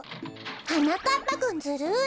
はなかっぱくんずるい！